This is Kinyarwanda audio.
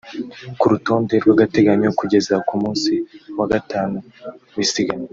Ku rutonde rw’agateganyo kugeza ku munsi wa gatanu w’isiganwa